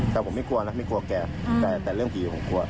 แต่ผมไม่กลัวนะไม่กลัวแกแต่เรื่องผีผมกลัว